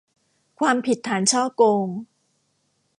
ความผิดฐานฉ้อโกง